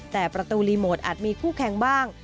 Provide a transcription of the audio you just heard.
แต่ประตูรีโมทอาจมีคู่แข่งบ้าง